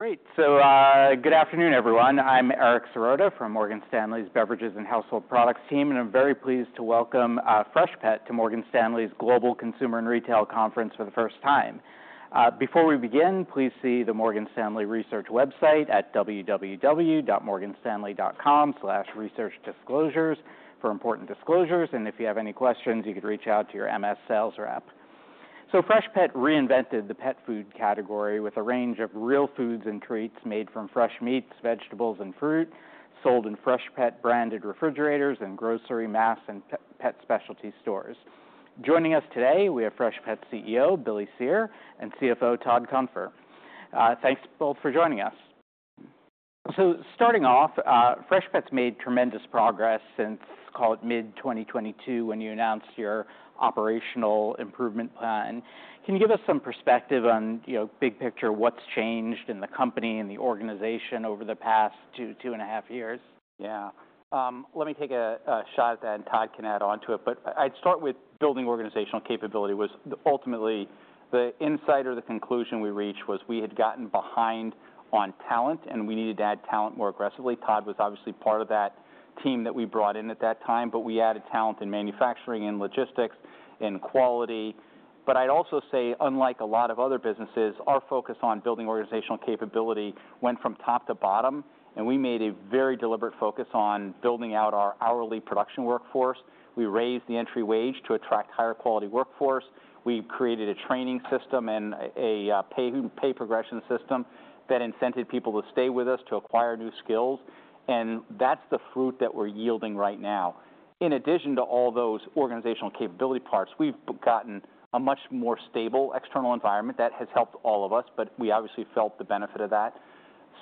Great. So, good afternoon, everyone. I'm Eric Serotta from Morgan Stanley's Beverages and Household Products team, and I'm very pleased to welcome Freshpet to Morgan Stanley's Global Consumer and Retail Conference for the first time. Before we begin, please see the Morgan Stanley Research website at www.morganstanley.com/researchdisclosures for important disclosures, and if you have any questions, you can reach out to your MS sales rep. So, Freshpet reinvented the pet food category with a range of real foods and treats made from fresh meats, vegetables, and fruit, sold in Freshpet-branded refrigerators and grocery, mass, and pet specialty stores. Joining us today, we have Freshpet CEO Billy Cyr and CFO Todd Cunfer. Thanks both for joining us. So, starting off, Freshpet's made tremendous progress since, call it, mid-2022 when you announced your operational improvement plan. Can you give us some perspective on, you know, big picture, what's changed in the company and the organization over the past two, two and a half years? Yeah. Let me take a shot at that, and Todd can add onto it, but I'd start with building organizational capability was ultimately the insight or the conclusion we reached was we had gotten behind on talent, and we needed to add talent more aggressively. Todd was obviously part of that team that we brought in at that time, but we added talent in manufacturing, in logistics, in quality. But I'd also say, unlike a lot of other businesses, our focus on building organizational capability went from top to bottom, and we made a very deliberate focus on building out our hourly production workforce. We raised the entry wage to attract higher quality workforce. We created a training system and a pay progression system that incented people to stay with us to acquire new skills, and that's the fruit that we're yielding right now. In addition to all those organizational capability parts, we've gotten a much more stable external environment that has helped all of us, but we obviously felt the benefit of that.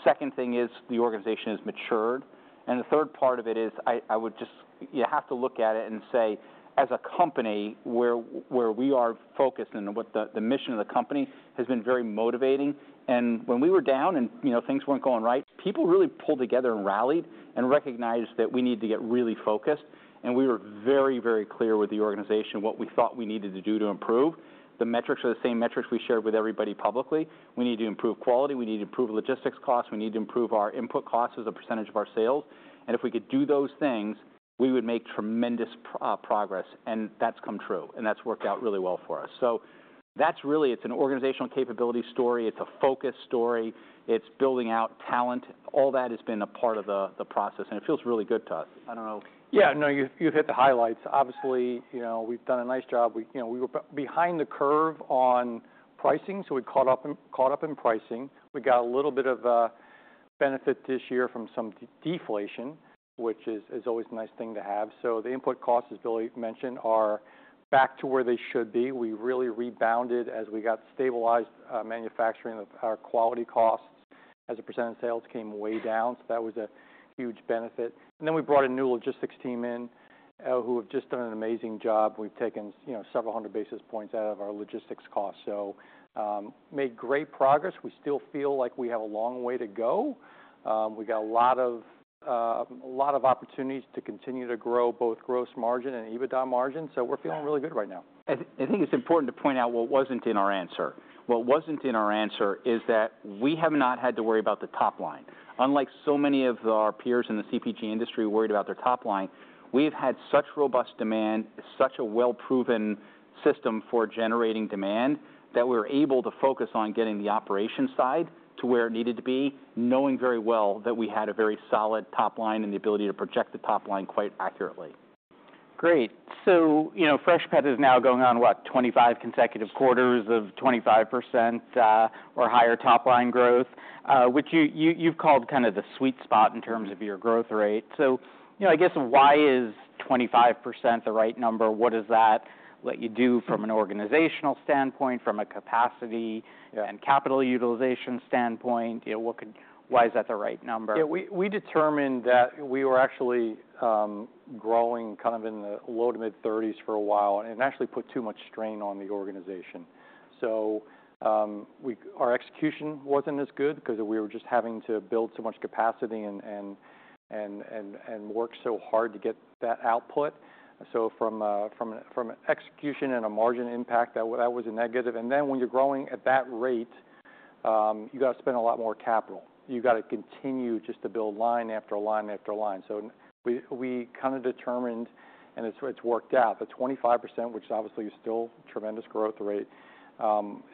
Second thing is the organization has matured, and the third part of it is I would just, you have to look at it and say, as a company where we are focused and what the mission of the company has been very motivating, and when we were down and, you know, things weren't going right, people really pulled together and rallied and recognized that we need to get really focused, and we were very, very clear with the organization what we thought we needed to do to improve. The metrics are the same metrics we shared with everybody publicly. We need to improve quality. We need to improve logistics costs. We need to improve our input costs as a percentage of our sales. And if we could do those things, we would make tremendous progress, and that's come true, and that's worked out really well for us. So that's really, it's an organizational capability story. It's a focus story. It's building out talent. All that has been a part of the process, and it feels really good to us. I don't know. Yeah. No, you've hit the highlights. Obviously, you know, we've done a nice job. We, you know, we were behind the curve on pricing, so we caught up in pricing. We got a little bit of a benefit this year from some deflation, which is always a nice thing to have. So the input costs, as Billy mentioned, are back to where they should be. We really rebounded as we got stabilized, manufacturing of our quality costs as a % of sales came way down, so that was a huge benefit. And then we brought a new logistics team in, who have just done an amazing job. We've taken, you know, several hundred basis points out of our logistics costs, so made great progress. We still feel like we have a long way to go. We got a lot of opportunities to continue to grow both gross margin and EBITDA margin, so we're feeling really good right now. I think it's important to point out what wasn't in our answer. What wasn't in our answer is that we have not had to worry about the top line. Unlike so many of our peers in the CPG industry worried about their top line, we have had such robust demand, such a well-proven system for generating demand that we were able to focus on getting the operation side to where it needed to be, knowing very well that we had a very solid top line and the ability to project the top line quite accurately. Great. So, you know, Freshpet is now going on, what, 25 consecutive quarters of 25% or higher top line growth, which you've called kind of the sweet spot in terms of your growth rate. So, you know, I guess why is 25% the right number? What does that let you do from an organizational standpoint, from a capacity and capital utilization standpoint? You know, why is that the right number? Yeah. We determined that we were actually growing kind of in the low-to-mid 30s% for a while and actually put too much strain on the organization. So our execution wasn't as good because we were just having to build so much capacity and work so hard to get that output. So from an execution and a margin impact, that was a negative, and then when you're growing at that rate, you got to spend a lot more capital. You got to continue just to build line after line after line. So we kind of determined, and it's worked out that 25%, which is obviously still tremendous growth rate,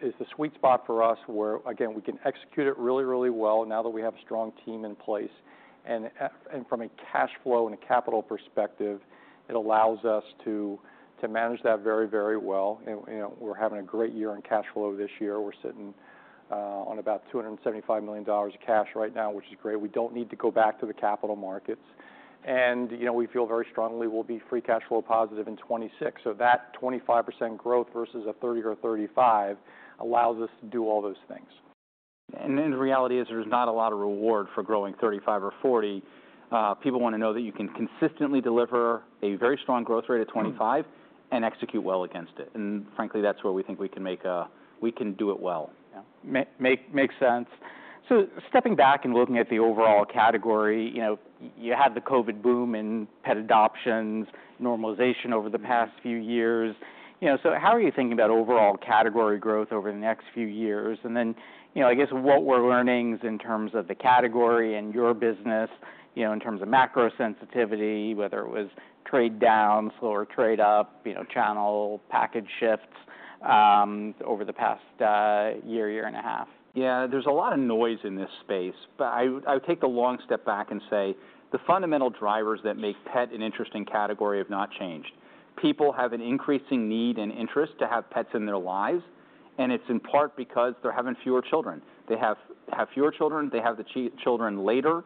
is the sweet spot for us where, again, we can execute it really, really well now that we have a strong team in place. From a cash flow and a capital perspective, it allows us to manage that very, very well. You know, we're having a great year in cash flow this year. We're sitting on about $275 million of cash right now, which is great. We don't need to go back to the capital markets. You know, we feel very strongly we'll be free cash flow positive in 2026. So that 25% growth versus a 30% or 35% allows us to do all those things. And then the reality is there's not a lot of reward for growing 35 or 40. People want to know that you can consistently deliver a very strong growth rate at 25 and execute well against it. And frankly, that's where we think we can make a, we can do it well. Yeah. Make sense, so stepping back and looking at the overall category, you know, you had the COVID boom in pet adoptions, normalization over the past few years. You know, so how are you thinking about overall category growth over the next few years? And then, you know, I guess what were learnings in terms of the category and your business, you know, in terms of macro sensitivity, whether it was trade down, slower trade up, you know, channel package shifts, over the past year and a half? Yeah. There's a lot of noise in this space, but I would take the long step back and say the fundamental drivers that make pet an interesting category have not changed. People have an increasing need and interest to have pets in their lives, and it's in part because they're having fewer children. They have fewer children. They have the children later.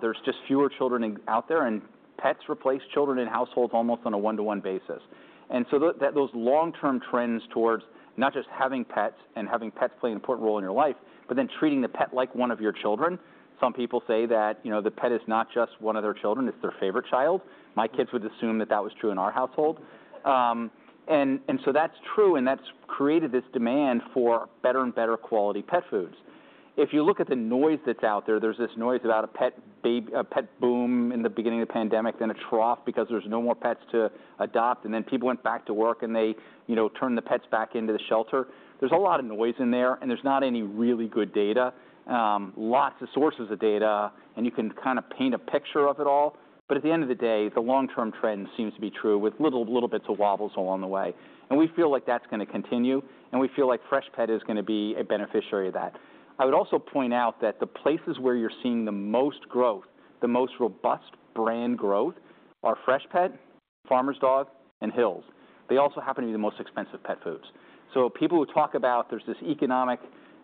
There's just fewer children out there, and pets replace children in households almost on a one-to-one basis. And so those long-term trends towards not just having pets and having pets play an important role in your life, but then treating the pet like one of your children. Some people say that, you know, the pet is not just one of their children. It's their favorite child. My kids would assume that was true in our household. And so that's true, and that's created this demand for better and better quality pet foods. If you look at the noise that's out there, there's this noise about a pet boom in the beginning of the pandemic, then a trough because there's no more pets to adopt, and then people went back to work and they, you know, turned the pets back into the shelter. There's a lot of noise in there, and there's not any really good data, lots of sources of data, and you can kind of paint a picture of it all. But at the end of the day, the long-term trend seems to be true with little, little bits of wobbles along the way. And we feel like that's going to continue, and we feel like Freshpet is going to be a beneficiary of that. I would also point out that the places where you're seeing the most growth, the most robust brand growth are Freshpet, Farmer's Dog, and Hill's. They also happen to be the most expensive pet foods, so people who talk about, there's this economic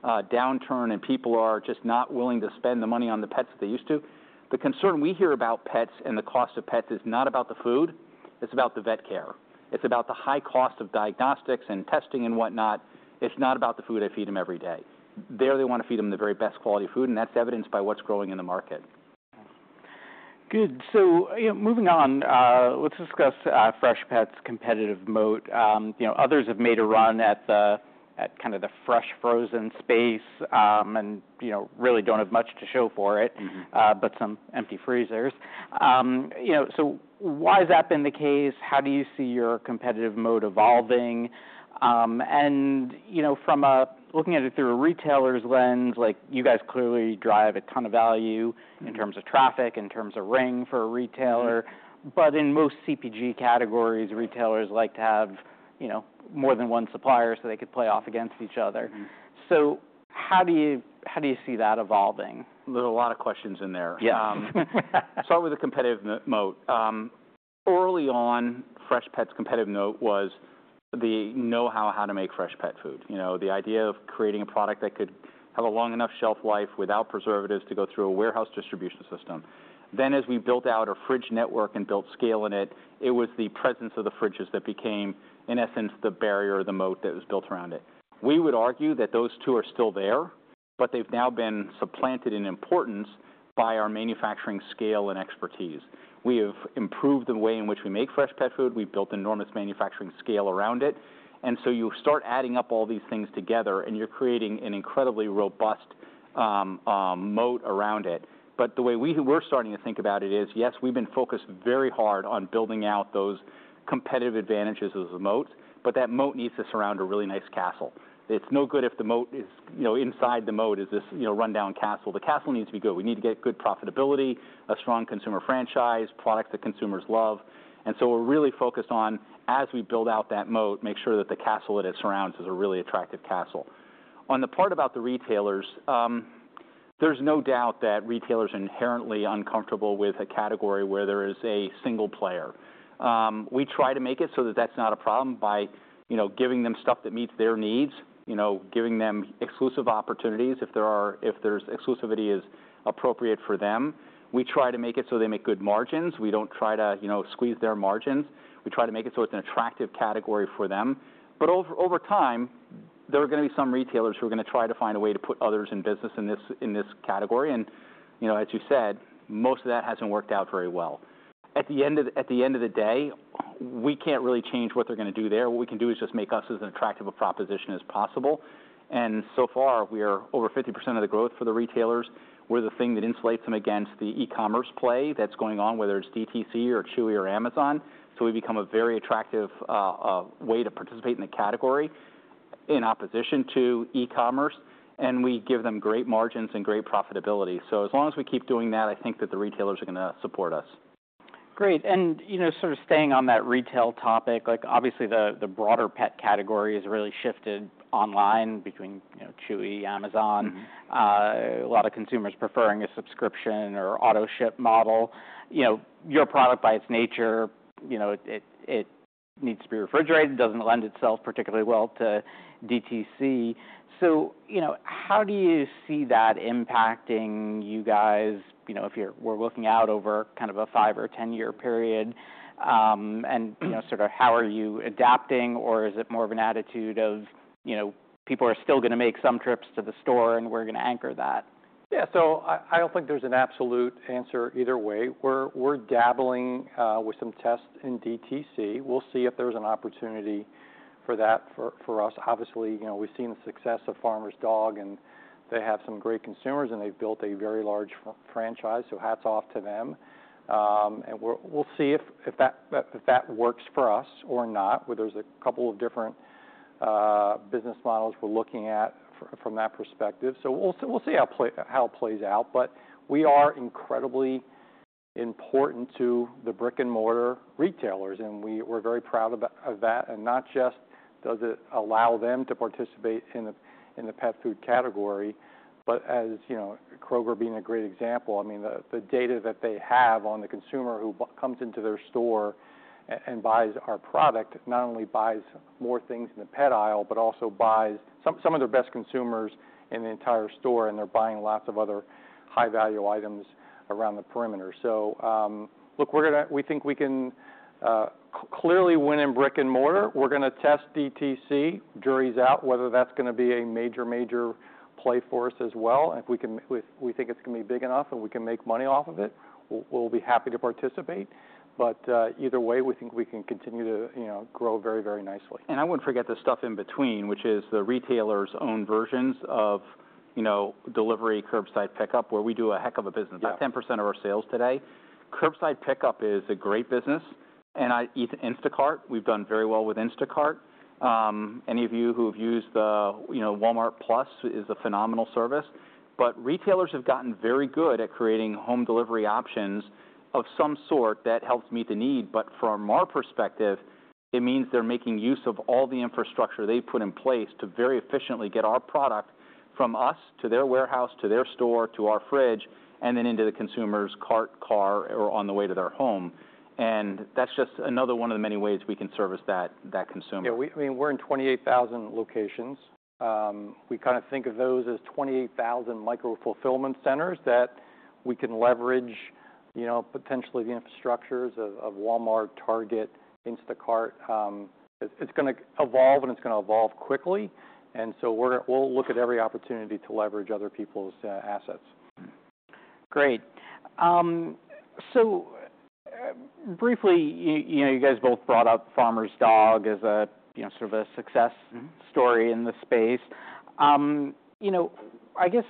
downturn and people are just not willing to spend the money on the pets that they used to, the concern we hear about pets and the cost of pets is not about the food. It's about the vet care. It's about the high cost of diagnostics and testing and whatnot. It's not about the food I feed them every day. There they want to feed them the very best quality food, and that's evidenced by what's growing in the market. Good. So, you know, moving on, let's discuss Freshpet's competitive moat. You know, others have made a run at kind of the fresh frozen space, and, you know, really don't have much to show for it. Mm-hmm. But some empty freezers. You know, so why has that been the case? How do you see your competitive moat evolving? And, you know, from a, looking at it through a retailer's lens, like you guys clearly drive a ton of value in terms of traffic, in terms of ring for a retailer, but in most CPG categories, retailers like to have, you know, more than one supplier so they could play off against each other. So how do you, how do you see that evolving? There's a lot of questions in there. Yeah. Start with the competitive moat. Early on, Freshpet's competitive moat was the know-how to make fresh pet food. You know, the idea of creating a product that could have a long enough shelf life without preservatives to go through a warehouse distribution system. Then as we built out our fridge network and built scale in it, it was the presence of the fridges that became, in essence, the barrier or the moat that was built around it. We would argue that those two are still there, but they've now been supplanted in importance by our manufacturing scale and expertise. We have improved the way in which we make fresh pet food. We've built enormous manufacturing scale around it. And so you start adding up all these things together, and you're creating an incredibly robust moat around it. But the way we were starting to think about it is, yes, we've been focused very hard on building out those competitive advantages as a moat, but that moat needs to surround a really nice castle. It's no good if the moat is, you know, inside the moat is this, you know, rundown castle. The castle needs to be good. We need to get good profitability, a strong consumer franchise, products that consumers love. And so we're really focused on, as we build out that moat, make sure that the castle that it surrounds is a really attractive castle. On the part about the retailers, there's no doubt that retailers are inherently uncomfortable with a category where there is a single player. We try to make it so that that's not a problem by, you know, giving them stuff that meets their needs, you know, giving them exclusive opportunities if there are, if there's exclusivity is appropriate for them. We try to make it so they make good margins. We don't try to, you know, squeeze their margins. We try to make it so it's an attractive category for them. But over time, there are going to be some retailers who are going to try to find a way to put others in business in this category. And, you know, as you said, most of that hasn't worked out very well. At the end of the day, we can't really change what they're going to do there. What we can do is just make us as attractive a proposition as possible. And so far, we are over 50% of the growth for the retailers. We're the thing that insulates them against the e-commerce play that's going on, whether it's DTC or Chewy or Amazon. So we become a very attractive way to participate in the category in opposition to e-commerce, and we give them great margins and great profitability. So as long as we keep doing that, I think that the retailers are going to support us. Great. And, you know, sort of staying on that retail topic, like obviously the broader pet category has really shifted online between, you know, Chewy, Amazon, a lot of consumers preferring a subscription or auto ship model. You know, your product by its nature, you know, it needs to be refrigerated. It doesn't lend itself particularly well to DTC. So, you know, how do you see that impacting you guys, you know, if we're looking out over kind of a five or 10-year period, and, you know, sort of how are you adapting, or is it more of an attitude of, you know, people are still going to make some trips to the store and we're going to anchor that? Yeah. So I don't think there's an absolute answer either way. We're dabbling with some tests in DTC. We'll see if there's an opportunity for that for us. Obviously, you know, we've seen the success of Farmer's Dog, and they have some great consumers, and they've built a very large franchise. So hats off to them, and we'll see if that works for us or not. There's a couple of different business models we're looking at from that perspective. So we'll see how it plays out. But we are incredibly important to the brick-and-mortar retailers, and we're very proud of that. Not only does it allow them to participate in the pet food category, but as you know, Kroger being a great example, I mean, the data that they have on the consumer who comes into their store and buys our product not only buys more things in the pet aisle, but also are some of their best consumers in the entire store, and they're buying lots of other high-value items around the perimeter. So, look, we think we can clearly win in brick-and-mortar. We're going to test DTC. Jury's out whether that's going to be a major play for us as well. If we think it's going to be big enough and we can make money off of it, we'll be happy to participate. But either way, we think we can continue to, you know, grow very, very nicely. And I wouldn't forget the stuff in between, which is the retailers' own versions of, you know, delivery curbside pickup, where we do a heck of a business. About 10% of our sales today. Curbside pickup is a great business. And it eats Instacart. We've done very well with Instacart. Any of you who've used the, you know, Walmart+ is a phenomenal service. But retailers have gotten very good at creating home delivery options of some sort that helps meet the need. But from our perspective, it means they're making use of all the infrastructure they've put in place to very efficiently get our product from us to their warehouse, to their store, to our fridge, and then into the consumer's cart, car, or on the way to their home. And that's just another one of the many ways we can service that, that consumer. Yeah. We, I mean, we're in 28,000 locations. We kind of think of those as 28,000 micro fulfillment centers that we can leverage, you know, potentially the infrastructures of Walmart, Target, Instacart. It's going to evolve, and it's going to evolve quickly, and so we're, we'll look at every opportunity to leverage other people's, assets. Great. So, briefly, you know, you guys both brought up Farmer's Dog as a, you know, sort of a success story in the space. You know, I guess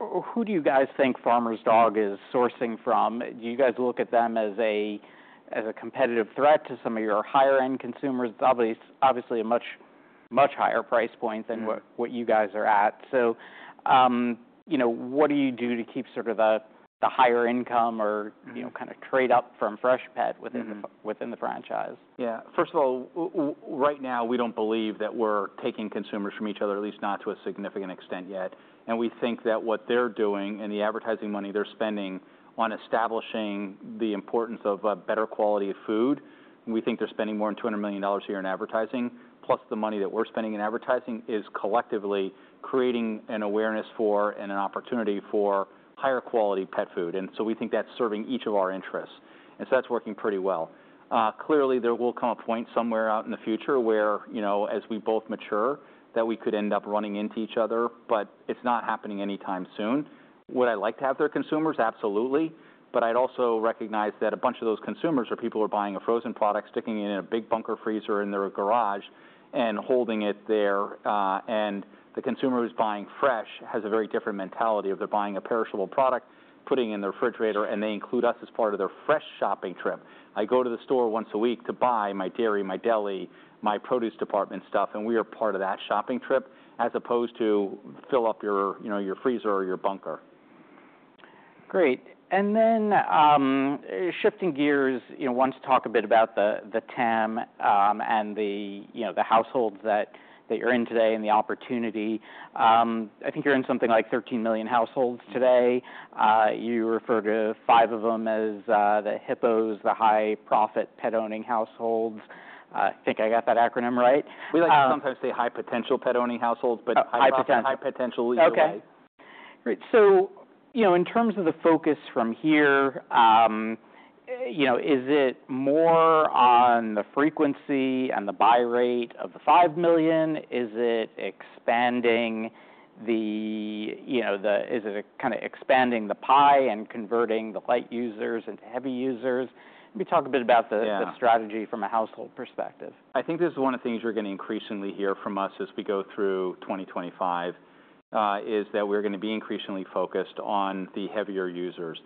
who do you guys think Farmer's Dog is sourcing from? Do you guys look at them as a, as a competitive threat to some of your higher-end consumers? Obviously, obviously a much, much higher price point than what, what you guys are at. So, you know, what do you do to keep sort of the, the higher income or, you know, kind of trade up from Freshpet within the, within the franchise? Yeah. First of all, right now, we don't believe that we're taking consumers from each other, at least not to a significant extent yet. And we think that what they're doing and the advertising money they're spending on establishing the importance of a better quality of food, we think they're spending more than $200 million a year in advertising. Plus, the money that we're spending in advertising is collectively creating an awareness for and an opportunity for higher quality pet food. And so we think that's serving each of our interests. And so that's working pretty well. Clearly, there will come a point somewhere out in the future where, you know, as we both mature, that we could end up running into each other, but it's not happening anytime soon. Would I like to have their consumers? Absolutely. But I'd also recognize that a bunch of those consumers are people who are buying a frozen product, sticking it in a big bunker freezer in their garage and holding it there, and the consumer who's buying fresh has a very different mentality of they're buying a perishable product, putting it in the refrigerator, and they include us as part of their fresh shopping trip. I go to the store once a week to buy my dairy, my deli, my produce department stuff, and we are part of that shopping trip as opposed to fill up your, you know, your freezer or your bunker. Great. And then, shifting gears, you know, want to talk a bit about the TAM, and you know, the households that you're in today and the opportunity. I think you're in something like 13 million households today. You refer to five of them as the HIPPOs, the high-profit pet-owning households. I think I got that acronym right. We like to sometimes say high-potential pet-owning households, but high-potential. Okay. Great. So, you know, in terms of the focus from here, you know, is it more on the frequency and the buy rate of the five million? Is it kind of expanding the pie and converting the light users into heavy users? Maybe talk a bit about the strategy from a household perspective. I think this is one of the things you're going to increasingly hear from us as we go through 2025, is that we're going to be increasingly focused on the heavier users.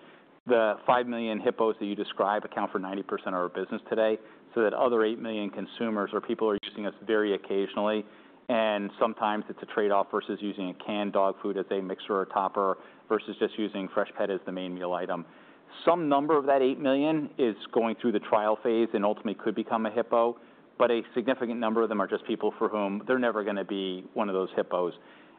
The five million HIPPOs that you describe account for 90% of our business today. So that other eight million consumers or people are using us very occasionally. And sometimes it's a trade-off versus using a canned dog food as a mixer or topper versus just using Freshpet as the main meal item. Some number of that eight million is going through the trial phase and ultimately could become a HIPPO, but a significant number of them are just people for whom they're never going to be one of those HIPPOs.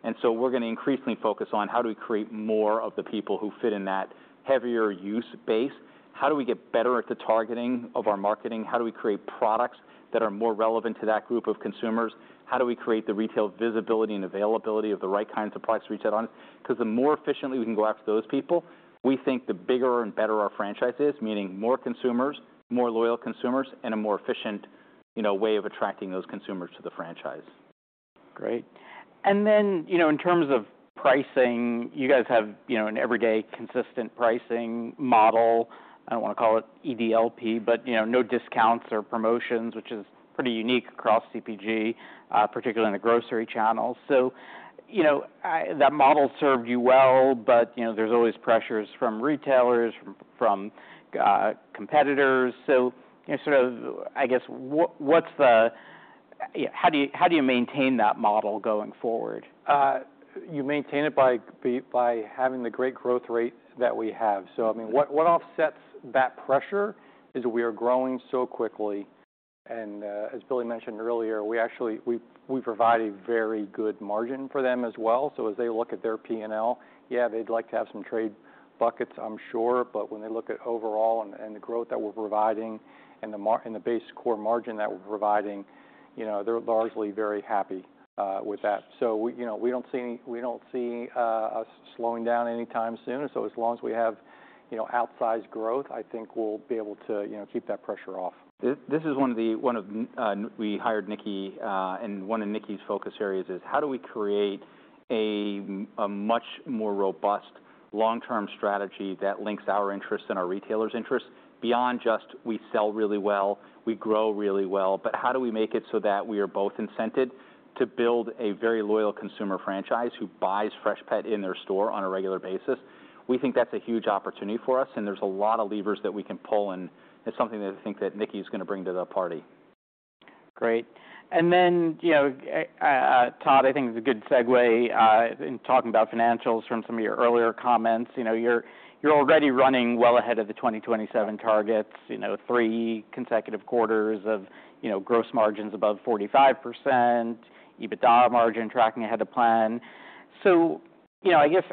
And so we're going to increasingly focus on how do we create more of the people who fit in that heavier use base? How do we get better at the targeting of our marketing? How do we create products that are more relevant to that group of consumers? How do we create the retail visibility and availability of the right kinds of products to reach out on us? Because the more efficiently we can go after those people, we think the bigger and better our franchise is, meaning more consumers, more loyal consumers, and a more efficient, you know, way of attracting those consumers to the franchise. Great, and then, you know, in terms of pricing, you guys have, you know, an everyday consistent pricing model. I don't want to call it EDLP, but, you know, no discounts or promotions, which is pretty unique across CPG, particularly in the grocery channels. So, you know, that model served you well, but, you know, there's always pressures from retailers, from competitors. So, you know, sort of, I guess, how do you maintain that model going forward? You maintain it by having the great growth rate that we have. So, I mean, what offsets that pressure is we are growing so quickly. And, as Billy mentioned earlier, we actually, we provide a very good margin for them as well. So as they look at their P&L, yeah, they'd like to have some trade buckets, I'm sure. But when they look at overall and the growth that we're providing and the base core margin that we're providing, you know, they're largely very happy with that. So we, you know, we don't see us slowing down anytime soon. So as long as we have, you know, outsized growth, I think we'll be able to, you know, keep that pressure off. We hired Nicky, and one of Nicky's focus areas is how do we create a much more robust long-term strategy that links our interests and our retailers' interests beyond just we sell really well, we grow really well, but how do we make it so that we are both incented to build a very loyal consumer franchise who buys fresh pet in their store on a regular basis? We think that's a huge opportunity for us, and there's a lot of levers that we can pull, and it's something that I think that Nicky is going to bring to the party. Great, and then, you know, Todd, I think it's a good segue, in talking about financials from some of your earlier comments. You know, you're already running well ahead of the 2027 targets, you know, three consecutive quarters of, you know, gross margins above 45%, EBITDA margin tracking ahead of plan, so, you know, I guess,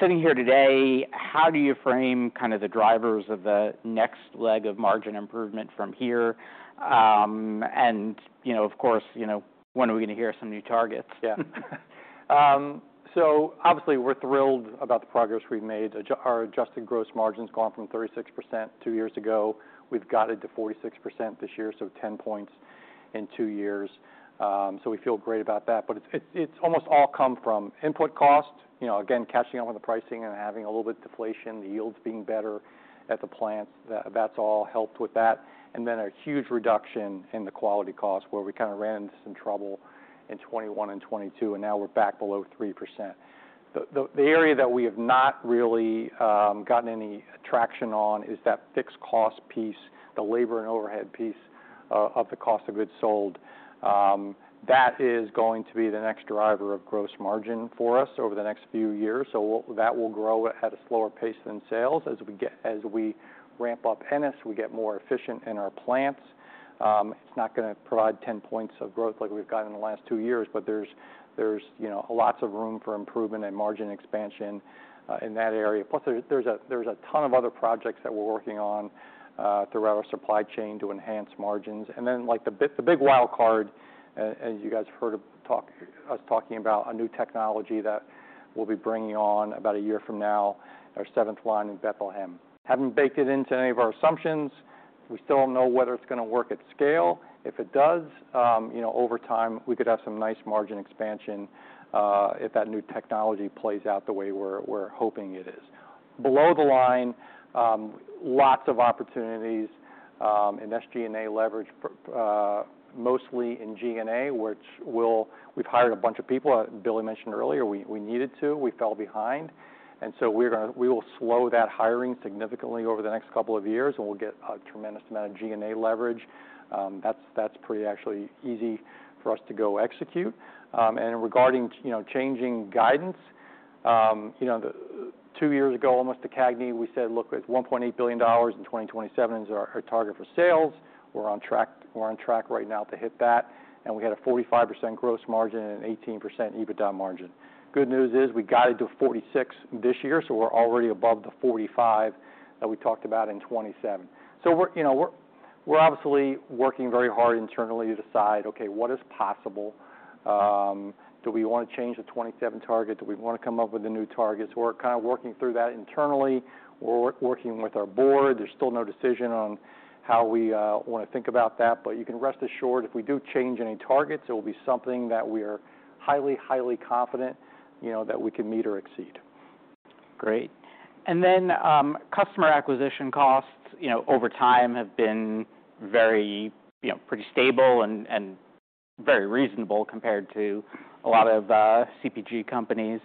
sitting here today, how do you frame kind of the drivers of the next leg of margin improvement from here, and, you know, of course, you know, when are we going to hear some new targets? Yeah, so obviously we're thrilled about the progress we've made. Our adjusted gross margin's gone from 36% two years ago. We've got it to 46% this year, so 10 points in two years. So we feel great about that. But it's almost all come from input cost, you know, again, catching up on the pricing and having a little bit of deflation, the yields being better at the plants. That's all helped with that. And then a huge reduction in the quality cost where we kind of ran into some trouble in 2021 and 2022, and now we're back below 3%. The area that we have not really gotten any traction on is that fixed cost piece, the labor and overhead piece, of the cost of goods sold. That is going to be the next driver of gross margin for us over the next few years. So that will grow at a slower pace than sales as we ramp up Ennis, we get more efficient in our plants. It's not going to provide 10 points of growth like we've gotten in the last two years, but there's, you know, lots of room for improvement and margin expansion in that area. Plus, there's a ton of other projects that we're working on throughout our supply chain to enhance margins. And then like the big wild card, as you guys have heard us talking about a new technology that we'll be bringing on about a year from now, our seventh line in Bethlehem. Haven't baked it into any of our assumptions. We still don't know whether it's going to work at scale. If it does, you know, over time, we could have some nice margin expansion, if that new technology plays out the way we're hoping it is. Below the line, lots of opportunities in SG&A leverage, mostly in G&A, which we've hired a bunch of people. Billy mentioned earlier, we needed to, we fell behind. So we're going to, we will slow that hiring significantly over the next couple of years, and we'll get a tremendous amount of G&A leverage. That's pretty actually easy for us to go execute. Regarding, you know, changing guidance, you know, two years ago, almost to CAGNY we said, look, it's $1.8 billion in 2027 is our target for sales. We're on track, we're on track right now to hit that. We had a 45% gross margin and an 18% EBITDA margin. Good news is we got it to 46% this year, so we're already above the 45% that we talked about in 2027. So we're, you know, obviously working very hard internally to decide, okay, what is possible? Do we want to change the 2027 target? Do we want to come up with the new targets? We're kind of working through that internally. We're working with our board. There's still no decision on how we want to think about that. But you can rest assured if we do change any targets, it will be something that we are highly, highly confident, you know, that we can meet or exceed. Great. And then, customer acquisition costs, you know, over time have been very, you know, pretty stable and very reasonable compared to a lot of CPG companies.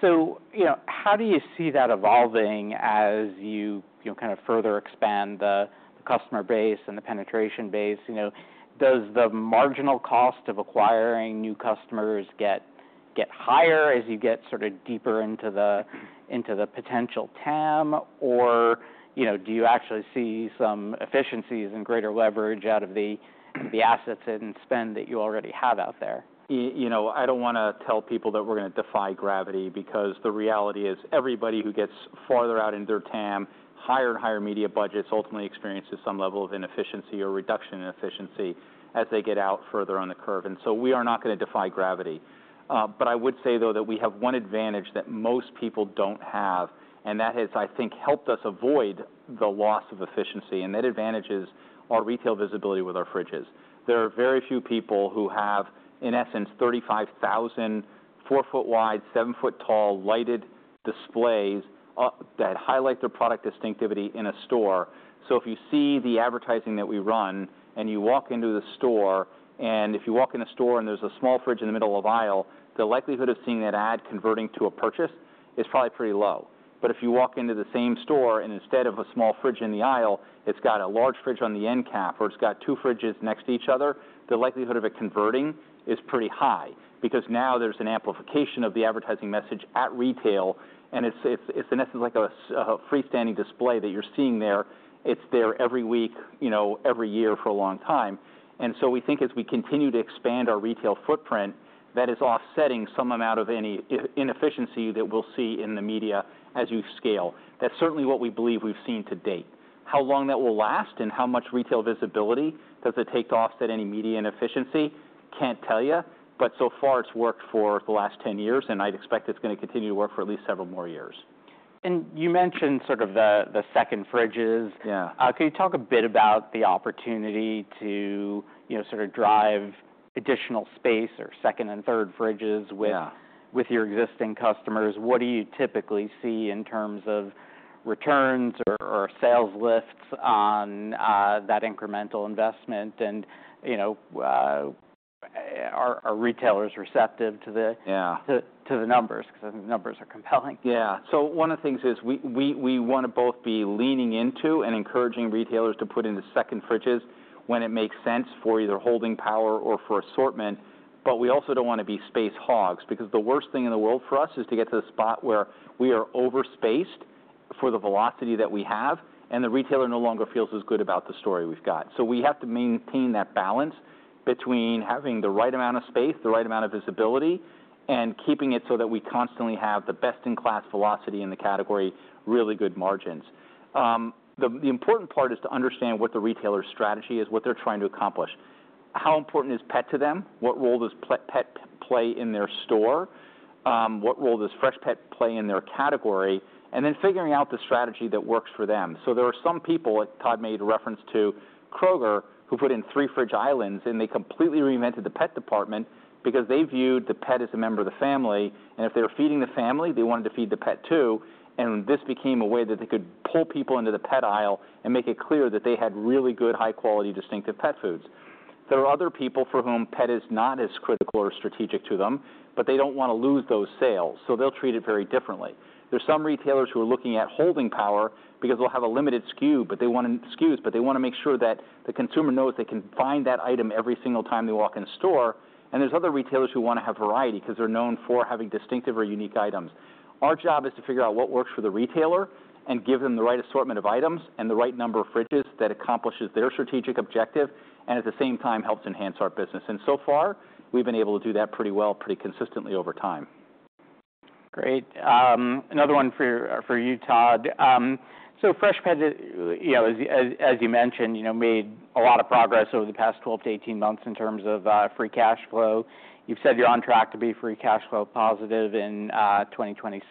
So, you know, how do you see that evolving as you, you know, kind of further expand the customer base and the penetration base? You know, does the marginal cost of acquiring new customers get higher as you get sort of deeper into the potential TAM, or, you know, do you actually see some efficiencies and greater leverage out of the assets and spend that you already have out there? You know, I don't want to tell people that we're going to defy gravity because the reality is everybody who gets farther out into their TAM, higher and higher media budgets ultimately experiences some level of inefficiency or reduction in efficiency as they get out further on the curve, and so we are not going to defy gravity, but I would say though that we have one advantage that most people don't have, and that has, I think, helped us avoid the loss of efficiency, and that advantage is our retail visibility with our fridges. There are very few people who have, in essence, 35,000 four-foot wide, seven-foot tall lighted displays that highlight their product distinctiveness in a store. So if you see the advertising that we run and you walk into the store, and if you walk in a store and there's a small fridge in the middle of the aisle, the likelihood of seeing that ad converting to a purchase is probably pretty low. But if you walk into the same store and instead of a small fridge in the aisle, it's got a large fridge on the end cap or it's got two fridges next to each other, the likelihood of it converting is pretty high because now there's an amplification of the advertising message at retail. And it's in essence like a freestanding display that you're seeing there. It's there every week, you know, every year for a long time. And so we think as we continue to expand our retail footprint, that is offsetting some amount of any inefficiency that we'll see in the media as you scale. That's certainly what we believe we've seen to date. How long that will last and how much retail visibility does it take to offset any media inefficiency? Can't tell you, but so far it's worked for the last 10 years, and I'd expect it's going to continue to work for at least several more years. You mentioned sort of the second fridges. Yeah. Could you talk a bit about the opportunity to, you know, sort of drive additional space or second and third fridges with your existing customers? What do you typically see in terms of returns or sales lifts on that incremental investment? And, you know, are retailers receptive to the numbers? Because I think the numbers are compelling. Yeah. So one of the things is we want to both be leaning into and encouraging retailers to put into second fridges when it makes sense for either holding power or for assortment. But we also don't want to be space hogs because the worst thing in the world for us is to get to the spot where we are overspaced for the velocity that we have and the retailer no longer feels as good about the story we've got. So we have to maintain that balance between having the right amount of space, the right amount of visibility, and keeping it so that we constantly have the best in class velocity in the category, really good margins. The important part is to understand what the retailer's strategy is, what they're trying to accomplish. How important is pet to them? What role does pet play in their store? What role does Freshpet play in their category, and then figuring out the strategy that works for them, so there are some people, Todd made reference to Kroger, who put in three fridge islands, and they completely reinvented the pet department because they viewed the pet as a member of the family, and if they were feeding the family, they wanted to feed the pet too, and this became a way that they could pull people into the pet aisle and make it clear that they had really good, high-quality distinctive pet foods. There are other people for whom pet is not as critical or strategic to them, but they don't want to lose those sales, so they'll treat it very differently. There's some retailers who are looking at holding power because they'll have a limited SKU, but they want to make sure that the consumer knows they can find that item every single time they walk in the store. And there's other retailers who want to have variety because they're known for having distinctive or unique items. Our job is to figure out what works for the retailer and give them the right assortment of items and the right number of fridges that accomplishes their strategic objective and at the same time helps enhance our business. And so far, we've been able to do that pretty well, pretty consistently over time. Great. Another one for you, Todd, so Freshpet, you know, as you mentioned, you know, made a lot of progress over the past 12-18 months in terms of free cash flow. You've said you're on track to be free cash flow positive in 2026.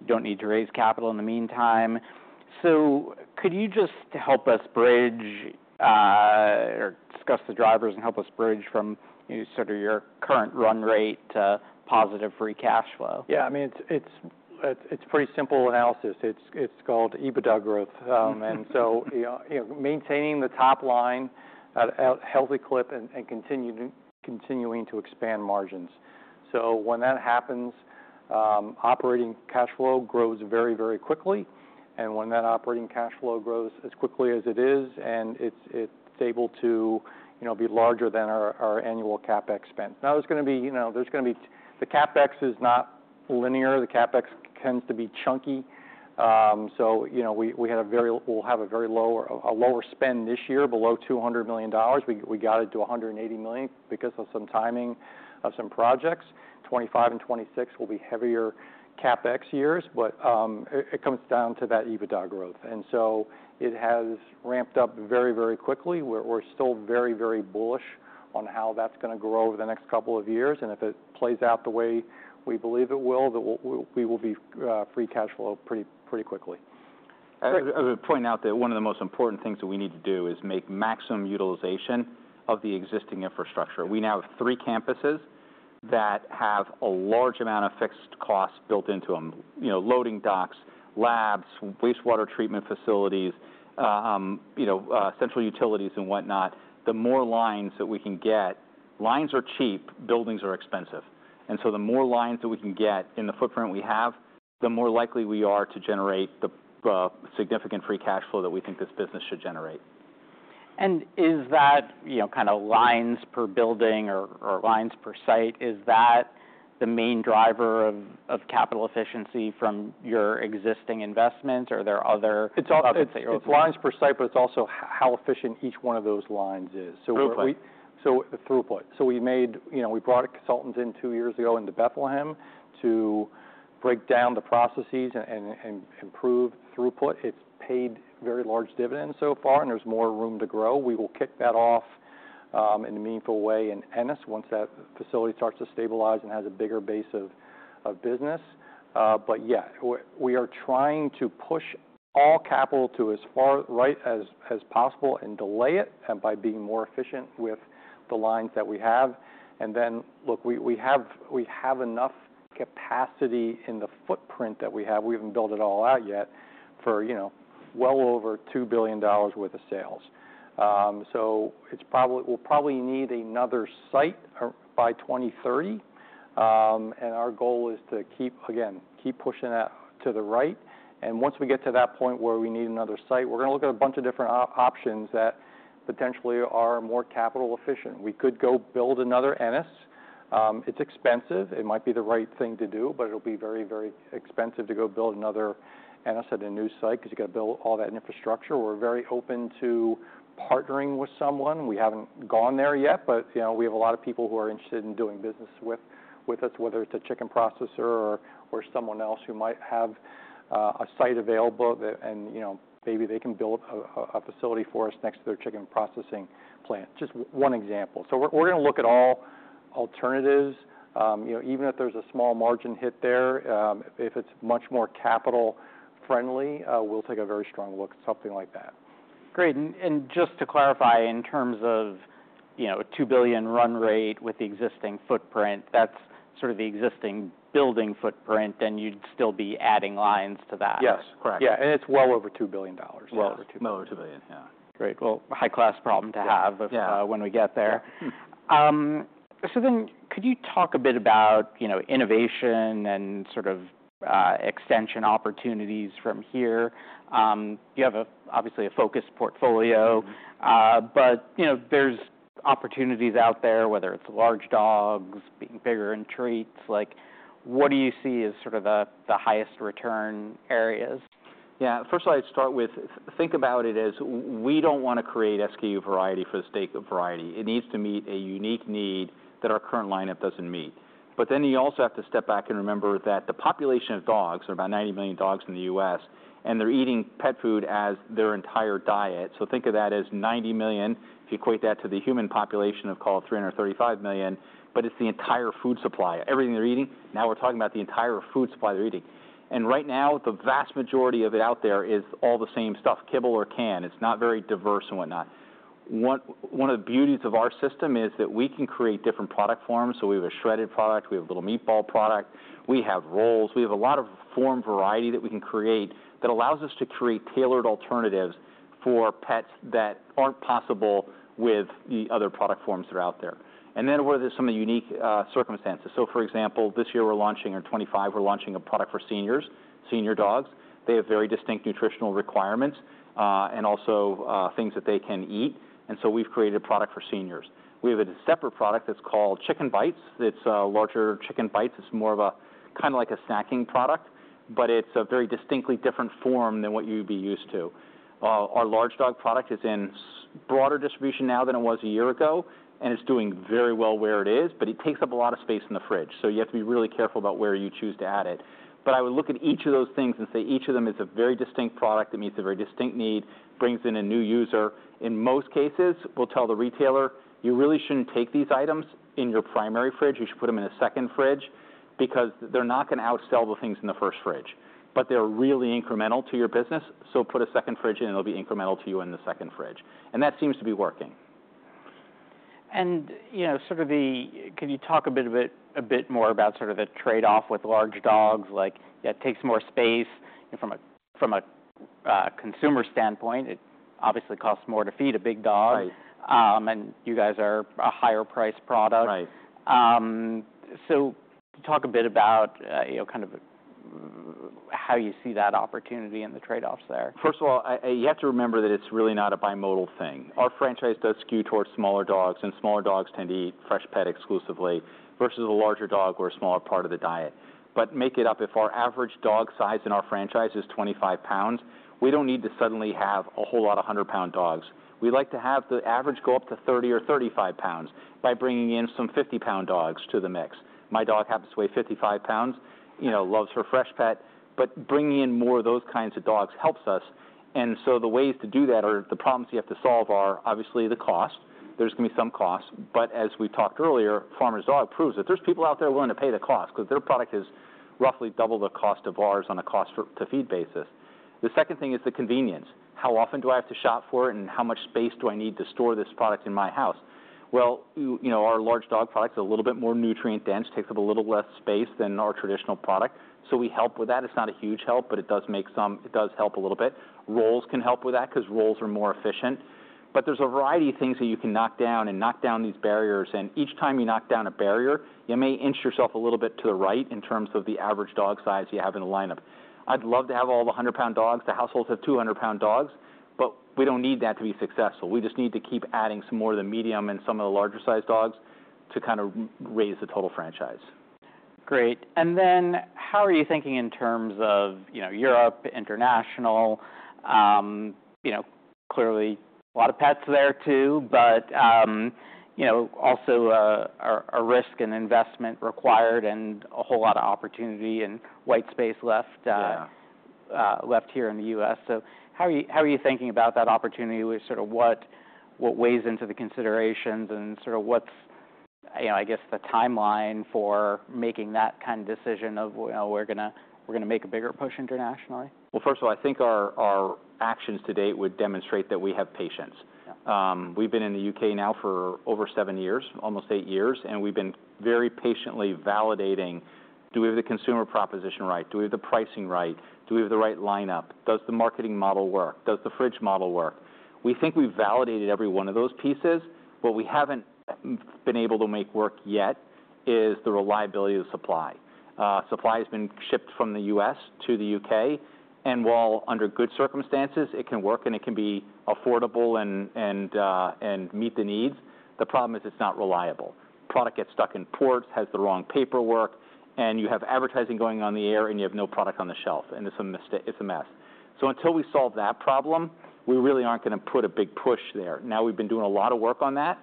You don't need to raise capital in the meantime, so could you just help us bridge or discuss the drivers and help us bridge from, you know, sort of your current run rate to positive free cash flow? Yeah. I mean, it's pretty simple analysis. It's called EBITDA growth, and so, you know, maintaining the top line, healthy clip and continuing to expand margins. So when that happens, operating cash flow grows very, very quickly. And when that operating cash flow grows as quickly as it is, and it's able to, you know, be larger than our annual CapEx spend. Now there's going to be, you know, the CapEx is not linear. The CapEx tends to be chunky. So, you know, we'll have a very low, a lower spend this year, below $200 million. We got it to $180 million because of some timing of some projects. 2025 and 2026 will be heavier CapEx years, but it comes down to that EBITDA growth. And so it has ramped up very, very quickly. We're still very, very bullish on how that's going to grow over the next couple of years. And if it plays out the way we believe it will, that we will be free cash flow pretty, pretty quickly. I would point out that one of the most important things that we need to do is make maximum utilization of the existing infrastructure. We now have three campuses that have a large amount of fixed costs built into them, you know, loading docks, labs, wastewater treatment facilities, you know, central utilities and whatnot. The more lines that we can get, lines are cheap, buildings are expensive. And so the more lines that we can get in the footprint we have, the more likely we are to generate the significant free cash flow that we think this business should generate. Is that, you know, kind of lines per building or lines per site, the main driver of capital efficiency from your existing investments? Are there other? It's all, it's lines per site, but it's also how efficient each one of those lines is. So the throughput. So we made, you know, we brought consultants in two years ago into Bethlehem to break down the processes and improve throughput. It's paid very large dividends so far, and there's more room to grow. We will kick that off in a meaningful way in Ennis once that facility starts to stabilize and has a bigger base of business. But yeah, we are trying to push all capital to as far right as possible and delay it by being more efficient with the lines that we have. And then, look, we have enough capacity in the footprint that we have. We haven't built it all out yet for, you know, well over $2 billion worth of sales. So it's probably. We'll probably need another site by 2030. Our goal is to keep, again, keep pushing that to the right. Once we get to that point where we need another site, we're going to look at a bunch of different options that potentially are more capital efficient. We could go build another Ennis. It's expensive. It might be the right thing to do, but it'll be very, very expensive to go build another Ennis at a new site because you got to build all that infrastructure. We're very open to partnering with someone. We haven't gone there yet, but, you know, we have a lot of people who are interested in doing business with us, whether it's a chicken processor or someone else who might have a site available and, you know, maybe they can build a facility for us next to their chicken processing plant. Just one example. So we're going to look at all alternatives, you know, even if there's a small margin hit there, if it's much more capital friendly, we'll take a very strong look at something like that. Great. And just to clarify in terms of, you know, $2 billion run rate with the existing footprint, that's sort of the existing building footprint, then you'd still be adding lines to that. Yes. Correct. Yeah, and it's well over $2 billion. Over $2 billion. Well over $2 billion. Yeah. Great. Well, high-class problem to have when we get there, so then could you talk a bit about, you know, innovation and sort of, extension opportunities from here? You have obviously a focused portfolio, but, you know, there's opportunities out there, whether it's large dogs, being bigger in treats. Like, what do you see as sort of the highest return areas? Yeah. First of all, I'd start with, think about it as we don't want to create SKU variety for the sake of variety. It needs to meet a unique need that our current lineup doesn't meet. But then you also have to step back and remember that the population of dogs are about 90 million dogs in the U.S., and they're eating pet food as their entire diet. So think of that as 90 million. If you equate that to the human population, I'll call it 335 million, but it's the entire food supply. Everything they're eating, now we're talking about the entire food supply they're eating. And right now, the vast majority of it out there is all the same stuff, kibble or can. It's not very diverse and whatnot. One of the beauties of our system is that we can create different product forms. We have a shredded product, we have a little meatball product, we have rolls, we have a lot of form variety that we can create that allows us to create tailored alternatives for pets that aren't possible with the other product forms that are out there. Then, what are some of the unique circumstances? For example, this year we're launching, or 2025, we're launching a product for seniors, senior dogs. They have very distinct nutritional requirements, and also things that they can eat. We've created a product for seniors. We have a separate product that's called Chicken Bites. It's a larger Chicken Bites. It's more of a kind of like a snacking product, but it's a very distinctly different form than what you'd be used to. Our large dog product is in broader distribution now than it was a year ago, and it's doing very well where it is, but it takes up a lot of space in the fridge. So you have to be really careful about where you choose to add it. But I would look at each of those things and say each of them is a very distinct product that meets a very distinct need, brings in a new user. In most cases, we'll tell the retailer, you really shouldn't take these items in your primary fridge. You should put them in a second fridge because they're not going to outsell the things in the first fridge, but they're really incremental to your business. So put a second fridge in, it'll be incremental to you in the second fridge. And that seems to be working. You know, sort of, could you talk a bit more about sort of the trade-off with large dogs? Like, yeah, it takes more space from a consumer standpoint. It obviously costs more to feed a big dog and you guys are a higher price product, so talk a bit about, you know, kind of how you see that opportunity and the trade-offs there. First of all, you have to remember that it's really not a bimodal thing. Our franchise does skew towards smaller dogs, and smaller dogs tend to eat Freshpet exclusively versus a larger dog or a smaller part of the diet. But make it up. If our average dog size in our franchise is 25 pounds, we don't need to suddenly have a whole lot of 100-pound dogs. We'd like to have the average go up to 30 or 35 pounds by bringing in some 50-pound dogs to the mix. My dog happens to weigh 55 pounds, you know, loves her Freshpet, but bringing in more of those kinds of dogs helps us. And so the ways to do that are the problems you have to solve are obviously the cost. There's going to be some cost. As we talked earlier, Farmer's Dog proves that there's people out there willing to pay the cost because their product is roughly double the cost of ours on a cost to feed basis. The second thing is the convenience. How often do I have to shop for it and how much space do I need to store this product in my house? Well, you know, our large dog product is a little bit more nutrient-dense, takes up a little less space than our traditional product. So we help with that. It's not a huge help, but it does make some, it does help a little bit. Rolls can help with that because rolls are more efficient. But there's a variety of things that you can knock down and knock down these barriers. Each time you knock down a barrier, you may inch yourself a little bit to the right in terms of the average dog size you have in the lineup. I'd love to have all the 100-pound dogs. The households have 200-pound dogs, but we don't need that to be successful. We just need to keep adding some more of the medium and some of the larger size dogs to kind of raise the total franchise. Great. And then how are you thinking in terms of, you know, Europe international? You know, clearly a lot of pets there too, but, you know, also, a risk and investment required and a whole lot of opportunity and white space left here in the U.S. So how are you thinking about that opportunity? Sort of what weighs into the considerations and sort of what's, you know, I guess the timeline for making that kind of decision of, you know, we're going to make a bigger push internationally? First of all, I think our actions to date would demonstrate that we have patience. We've been in the U.K. now for over seven years, almost eight years, and we've been very patiently validating, do we have the consumer proposition right? Do we have the pricing right? Do we have the right lineup? Does the marketing model work? Does the fridge model work? We think we've validated every one of those pieces. What we haven't been able to make work yet is the reliability of supply. Supply has been shipped from the U.S. to the U.K., and while under good circumstances it can work and it can be affordable and meet the needs, the problem is it's not reliable. Product gets stuck in ports, has the wrong paperwork, and you have advertising going on the air and you have no product on the shelf, and it's a mistake, it's a mess. So until we solve that problem, we really aren't going to put a big push there. Now we've been doing a lot of work on that.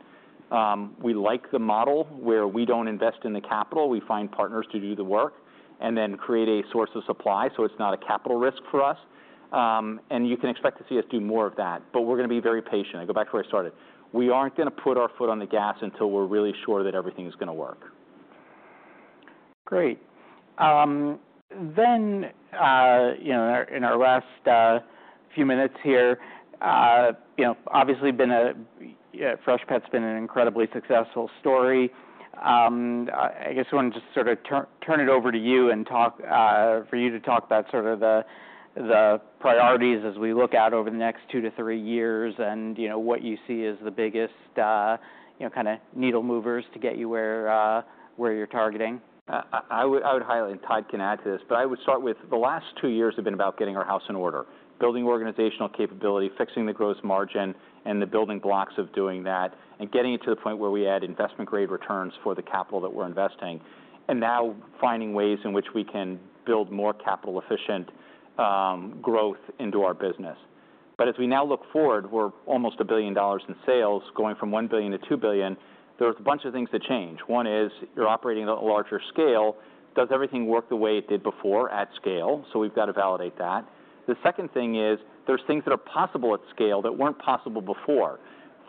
We like the model where we don't invest in the capital. We find partners to do the work and then create a source of supply so it's not a capital risk for us, and you can expect to see us do more of that, but we're going to be very patient. I go back to where I started. We aren't going to put our foot on the gas until we're really sure that everything is going to work. Great. Then, you know, in our last few minutes here, you know, obviously Freshpet's been an incredibly successful story. I guess I want to just sort of turn it over to you and talk for you to talk about sort of the priorities as we look out over the next two to three years and, you know, what you see as the biggest, you know, kind of needle movers to get you where you're targeting. I would, and Todd can add to this, but I would start with the last two years have been about getting our house in order, building organizational capability, fixing the gross margin and the building blocks of doing that and getting it to the point where we add investment-grade returns for the capital that we're investing and now finding ways in which we can build more capital efficient, growth into our business. But as we now look forward, we're almost $1 billion in sales going from $1 billion to $2 billion. There's a bunch of things that change. One is you're operating at a larger scale. Does everything work the way it did before at scale? So we've got to validate that. The second thing is there's things that are possible at scale that weren't possible before.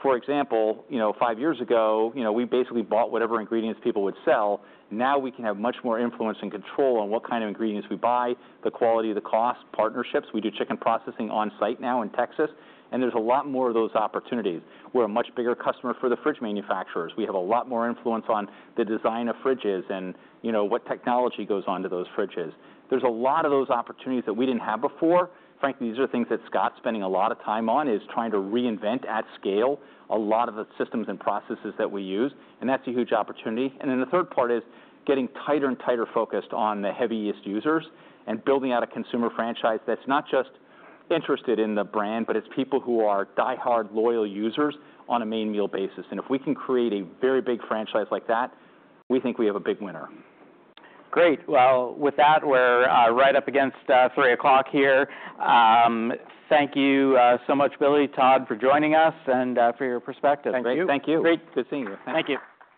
For example, you know, five years ago, you know, we basically bought whatever ingredients people would sell. Now we can have much more influence and control on what kind of ingredients we buy, the quality, the cost, partnerships. We do chicken processing on site now in Texas, and there's a lot more of those opportunities. We're a much bigger customer for the fridge manufacturers. We have a lot more influence on the design of fridges and, you know, what technology goes on to those fridges. There's a lot of those opportunities that we didn't have before. Frankly, these are things that Scott's spending a lot of time on is trying to reinvent at scale a lot of the systems and processes that we use, and that's a huge opportunity. And then the third part is getting tighter and tighter focused on the heaviest users and building out a consumer franchise that's not just interested in the brand, but it's people who are die-hard loyal users on a main meal basis. And if we can create a very big franchise like that, we think we have a big winner. Great. With that, we're right up against 3:00 P.M. here. Thank you so much, Billy, Todd, for joining us and for your perspective. Thank you. Thank you. Great. Good seeing you. Thank you.